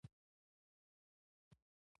د وای قیمت باید په یوه برخه کې منفي را نشي